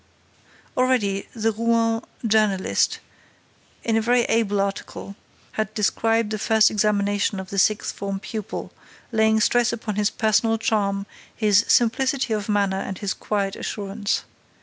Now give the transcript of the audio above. Already, the Rouen journalist, in a very able article, had described the first examination of the sixth form pupil, laying stress upon his personal charm, his simplicity of manner and his quiet assurance.